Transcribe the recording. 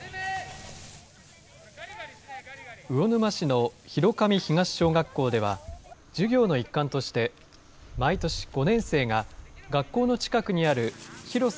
魚沼市の広神東小学校では授業の一環として、毎年５年生が学校の近くにある広さ